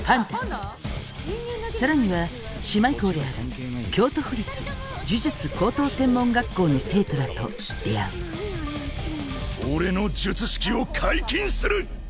更には姉妹校である京都府立呪術高等専門学校の生徒らと出会う俺の術式を解禁する。